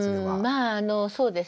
まあそうですね。